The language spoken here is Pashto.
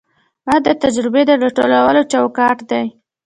وخت د تجربې د راټولولو چوکاټ دی.